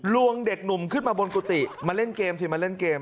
วงเด็กหนุ่มขึ้นมาบนกุฏิมาเล่นเกมสิมาเล่นเกม